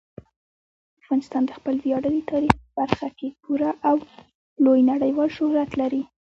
افغانستان د خپل ویاړلي تاریخ په برخه کې پوره او لوی نړیوال شهرت لري.